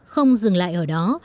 không dừng lại ở đó